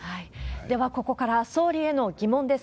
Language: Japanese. ではここから、総理への疑問です。